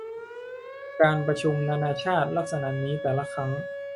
การประชุมนานาชาติลักษณะนี้แต่ละครั้ง